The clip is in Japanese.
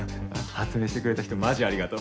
発明してくれた人マジありがとう。